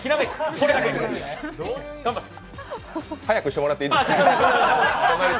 それだけ。早くしてもらっていいですか？